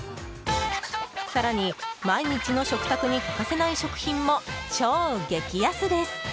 更に毎日の食卓に欠かせない食品も超激安です！